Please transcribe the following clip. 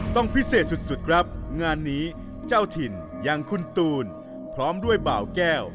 ต้องพิเศษสุดครับงานนี้เจ้าถิ่นอย่างคุณตูนพร้อมด้วยบ่าวแก้ว